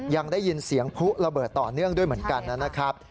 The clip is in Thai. ยังได้ยินเสียงผู้ระเบิดต่อเนื่องด้วยเหมือนกันนะครับ